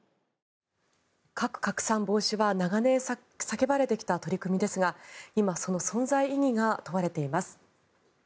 核拡散防止は長年、叫ばれてきた取り組みですが今、その存在意義が問われています。